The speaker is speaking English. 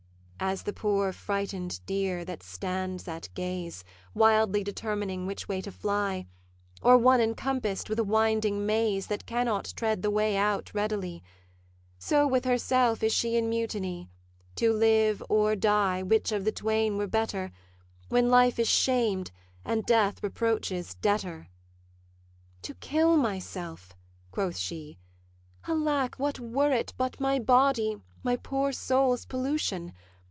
As the poor frighted deer, that stands at gaze, Wildly determining which way to fly, Or one encompass'd with a winding maze, That cannot tread the way out readily; So with herself is she in mutiny, To live or die which of the twain were better, When life is shamed, and death reproach's debtor. 'To kill myself,' quoth she, 'alack, what were it, But with my body my poor soul's pollution?